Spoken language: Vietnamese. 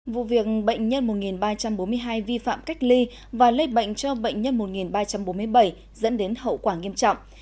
vụ việc bệnh nhân một ba trăm bốn mươi hai vi phạm cách ly và lây bệnh cho bệnh nhân một ba trăm bốn mươi bảy dẫn đến hậu quả nghiêm trọng